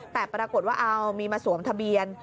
แต่ปรากฏว่าเอามีมาสวมทะเบียน